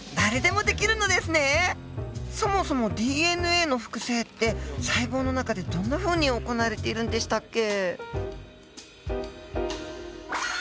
そもそもＤＮＡの複製って細胞の中でどんなふうに行われているんでしたっけ？